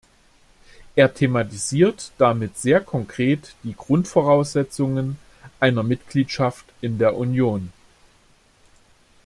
Er thematisiert damit sehr konkret die Grundvoraussetzungen einer Mitgliedschaft in der Union.